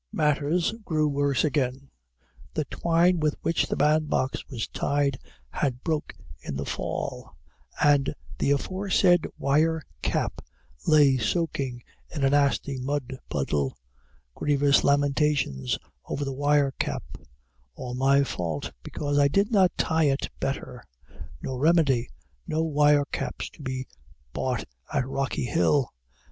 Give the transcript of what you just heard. Matters grew worse again; the twine with which the bandbox was tied had broke in the fall, and the aforesaid wire cap lay soaking in a nasty mudpuddle grievous lamentations over the wire cap all my fault because I did not tie it better no remedy no wire caps to be bought at Rocky hill.